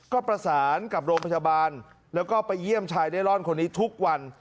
ก็ประสานกับโรงพยาบาลแล้วก็ไปเยี่ยมชายเร่ร่อนคนนี้ทุกวัน